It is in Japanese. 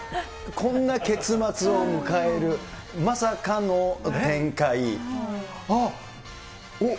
こんな結末を迎える、まさかの展開。